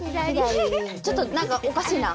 ちょっと何かおかしいな。